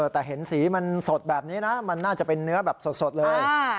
แต่เห็นสีมันสดแบบนี้นะมันน่าจะเป็นเนื้อแบบสดเลย